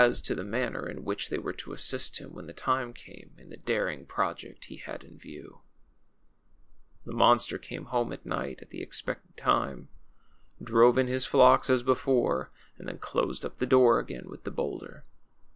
to. ..the 12 THE CHILDREN'S WONDER BOOK. manner in whicli they Avere to assist him, when the time came, in the daring project he had in view. The monster came home at night at the expected time, drove in his flocks as before, and then closed np tlie door again Avith the boAvlder.